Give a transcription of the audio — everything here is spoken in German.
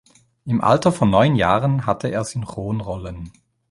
Im Alter von neun Jahren hatte er Synchronrollen.